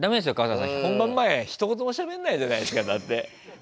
春日さん本番前ひと言もしゃべんないじゃないですかだって。